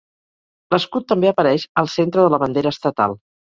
L'escut també apareix al centre de la bandera estatal.